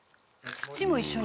「土も一緒に」